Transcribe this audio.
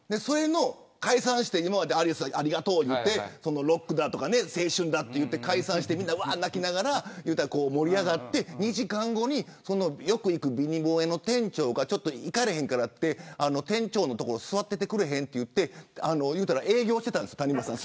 解散して今までありがとうと言ってロックだ、青春だと言ってみんな泣きながら盛り上がって、２時間後によく行く、ビニ本屋の店長が行かれへんからって店長の所に座っててくれへんと言って谷村さんが営業していたんです。